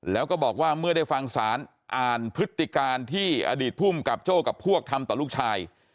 แล้วก็บอกว่าเมื่อได้ฟังศาลอ่านพฤติการที่อดีตภูมิกับโจ้กับพวกทำต่อลูกชาย